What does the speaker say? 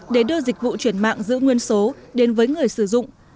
để đưa dịch vụ chuyển mạng giữ nguyên số đến với người sử dụng